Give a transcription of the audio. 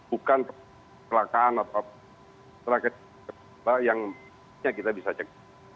bukan kelakaan atau tragedi yang kita bisa cek